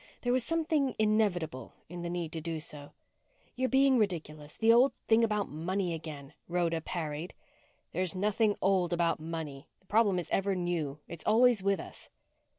There was something inevitable in the need to do so. "You're being ridiculous. The old thing about money again," Rhoda parried. "There's nothing old about money. The problem is ever new. It's always with us."